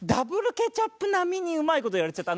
ケチャップ並みにうまい事言われちゃった。